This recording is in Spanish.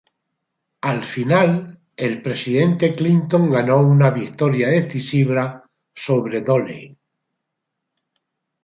Al final, el presidente Clinton ganó una victoria decisiva sobre Dole.